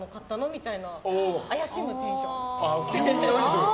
みたいな怪しむテンション。